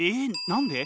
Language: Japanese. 何で？